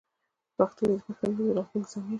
پښتو دې د پښتنو د راتلونکې ضامن شي.